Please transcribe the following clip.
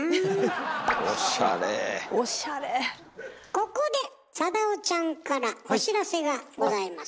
ここでサダヲちゃんからお知らせがございます。